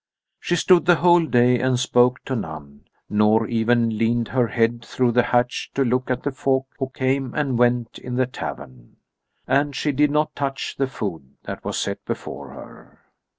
She stood the whole day and spoke to none, nor ever leaned her head through the hatch to look at the folk who came and went in the tavern. And she did not touch the food that was set before her.